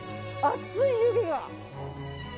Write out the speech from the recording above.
熱い、湯気が。